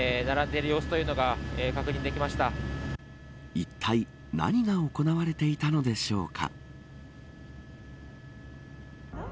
いったい何が行われていたのでしょうか。